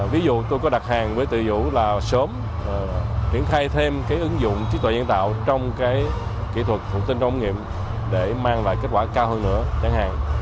ví dụ tôi có đặt hàng với từ dũ là sớm triển khai thêm cái ứng dụng trí tuệ diện tạo trong cái kỹ thuật thủ tinh trong ống nghiệm để mang lại kết quả cao hơn nữa chẳng hạn